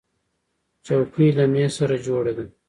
چوکۍ له مېز سره جوړه ده.